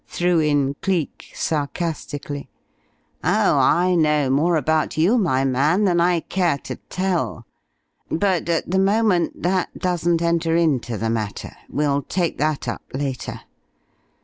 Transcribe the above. threw in Cleek, sarcastically. "Oh, I know more about you, my man, than I care to tell. But at the moment that doesn't enter into the matter. We'll take that up later.